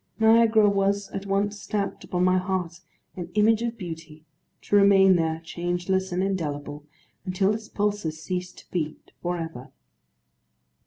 Niagara was at once stamped upon my heart, an Image of Beauty; to remain there, changeless and indelible, until its pulses cease to beat, for ever.